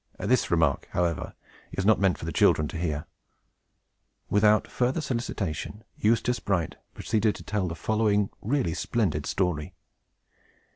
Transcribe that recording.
This remark, however, is not meant for the children to hear. Without further solicitation, Eustace Bright proceeded to tell the following really splendid story.